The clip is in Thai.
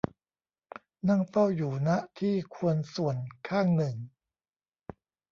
นั่งเฝ้าอยู่ ณ ที่ควรส่วนข้างหนึ่ง